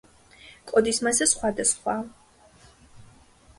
კოდის მასა სხვადასხვაა.